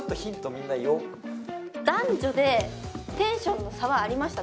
みんな言おう男女でテンションの差はありました